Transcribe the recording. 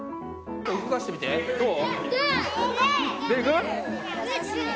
動かしてみて、どう？